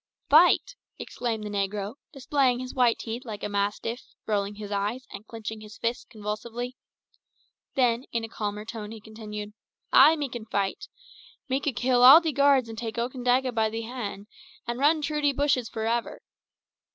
"Fight!" exclaimed the negro, displaying his white teeth like a mastiff, rolling his eyes and clinching his fists convulsively. Then in a calmer tone he continued, "Ay, me can fight. Me could kill all de guards an' take Okandaga by de hand, an' run troo de bushes for eber.